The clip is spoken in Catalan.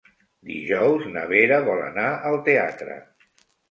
Dijous na Vera vol anar al teatre.